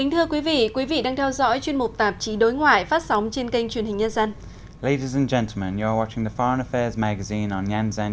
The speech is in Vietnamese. thưa quý vị quý vị đang theo dõi chuyên mục tạp chí đối ngoại phát sóng trên kênh truyền hình nhân dân